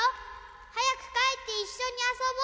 はやくかえっていっしょにあそぼう。